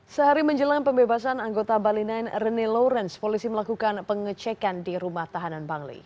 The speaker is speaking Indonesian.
sehari menjelang pembebasan anggota bali sembilan rene lawrence polisi melakukan pengecekan di rumah tahanan bangli